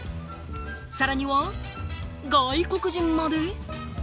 さらには外国人まで。